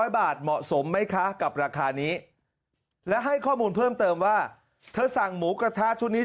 เหมาะสมไหมคะกับราคานี้และให้ข้อมูลเพิ่มเติมว่าเธอสั่งหมูกระทะชุดนี้